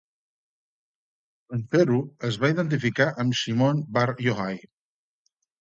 En fer-ho, es va identificar amb Shimon Bar Yohai.